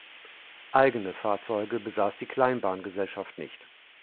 Eigene Fahrzeuge besaß die Kleinbahn-Gesellschaft nicht.